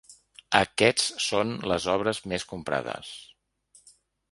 Aquests són les obres més comprades.